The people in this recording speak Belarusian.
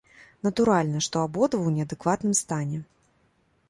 Натуральна, што абодва ў неадэкватным стане.